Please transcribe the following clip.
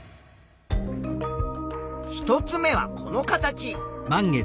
１つ目はこの形。